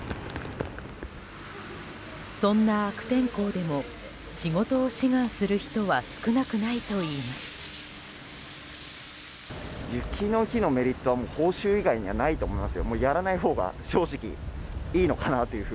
そんな悪天候でも仕事を志願する人は少なくないといいます。